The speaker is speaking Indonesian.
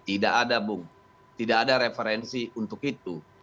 tidak ada bung tidak ada referensi untuk itu